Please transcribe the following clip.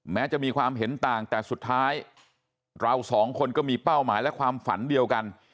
จะมีความเห็นต่างแต่สุดท้ายเราสองคนก็มีเป้าหมายและความฝันเดียวกัน